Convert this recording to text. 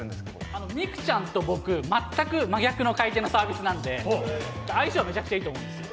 美空ちゃんと僕、全く真逆の回転のサービスなので、相性はむちゃくちゃいいと思うんですよ。